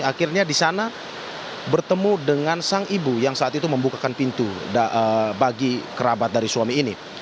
akhirnya di sana bertemu dengan sang ibu yang saat itu membukakan pintu bagi kerabat dari suami ini